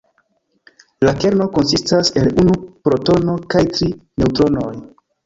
La kerno konsistas el unu protono kaj tri neŭtronoj.